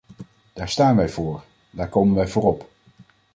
Daar staan wij voor, daar komen wij voor op.